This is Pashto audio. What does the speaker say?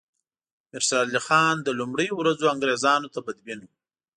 امیر شېر علي خان له لومړیو ورځو انګریزانو ته بدبین وو.